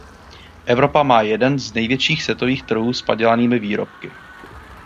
Evropa má jeden z největších světových trhů s padělanými výrobky.